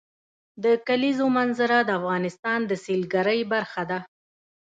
د کلیزو منظره د افغانستان د سیلګرۍ برخه ده.